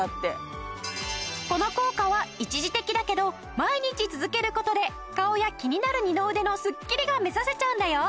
この効果は一時的だけど毎日続ける事で顔や気になる二の腕のすっきりが目指せちゃうんだよ！